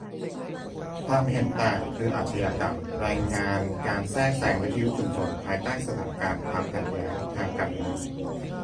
'ความเห็นต่าง' คือ อาชญากรรม : รายงานการแทรกแซงวิทยุชุมชนภายใต้สถานการณ์ความขัดแย้งทางการเมือง